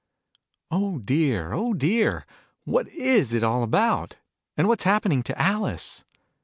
Oh dear, oil dear ! What is it all about ? And what's happening to Alice